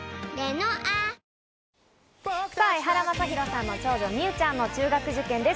エハラマサヒロさんの長女・美羽ちゃんの中学受験です。